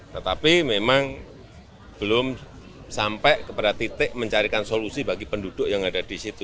tetapi memang belum sampai kepada titik mencarikan solusi bagi penduduk yang ada di situ